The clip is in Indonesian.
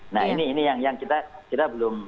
nah ini yang kita belum